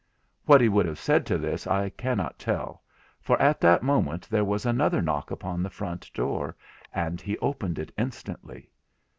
What he would have said to this I cannot tell, for at that moment there was another knock upon the front door, and he opened it instantly.